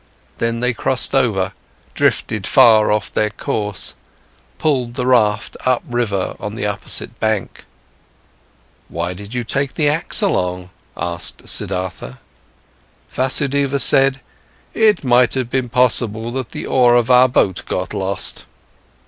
Then they crossed over, drifted far off their course, pulled the raft upriver on the opposite bank. "Why did you take the axe along?" asked Siddhartha. Vasudeva said: "It might have been possible that the oar of our boat got lost."